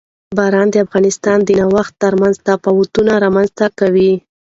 باران د افغانستان د ناحیو ترمنځ تفاوتونه رامنځ ته کوي.